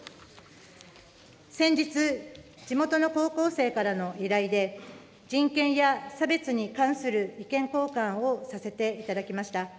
先日、地元の高校生からの依頼で、人権や差別に関する意見交換をさせていただきました。